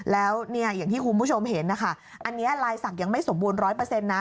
แล้วเนี่ยอย่างที่คุณผู้ชมเห็นนะคะอันนี้ลายศักดิ์ยังไม่สมบูรณร้อยเปอร์เซ็นต์นะ